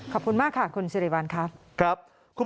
ขอบคุณมากค่ะคุณสิริวัลค่ะ